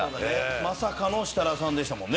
まさかの設楽さんでしたもんね。